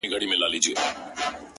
ستا د سونډو د خندا په خاليگاه كـي-